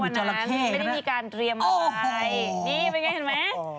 วันนั้นไม่ได้มีการเตรียมอะไรนี่เป็นอย่างไรเห็นไหมโอ้โฮ